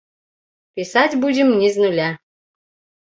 Пісаць будзем не з нуля.